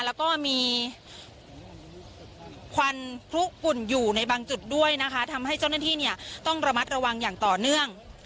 แล้วก็มีควันพลุกุ่นอยู่ในบางจุดด้วยนะคะทำให้เจ้าหน้าที่เนี่ยต้องระมัดระวังอย่างต่อเนื่อง